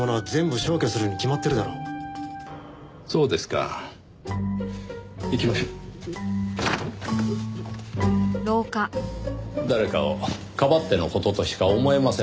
誰かをかばっての事としか思えませんねぇ。